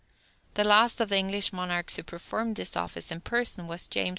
The last of the English monarchs who performed this office in person was James II.